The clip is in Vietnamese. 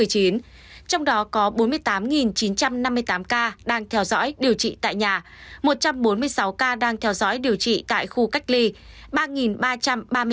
trong đó có bốn mươi tám chín trăm năm mươi tám ca đang theo dõi điều trị tại nhà một trăm bốn mươi sáu ca đang theo dõi điều trị tại khu cách ly